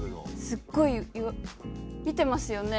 すっごい言われ見てますよね？